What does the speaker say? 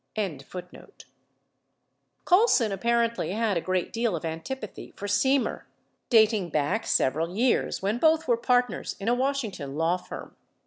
613 Colson apparently had a great deal of antipathy for Semer, 21 dating back several years when both were partners in a Washington law firm.